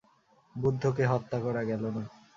বুদ্ধকে হত্যা করা গেল না।